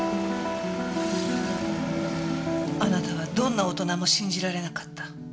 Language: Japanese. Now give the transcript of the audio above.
あなたはどんな大人も信じられなかった。